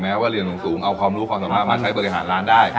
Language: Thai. แต่ข้างในโง่อีกหลังหนึ่ง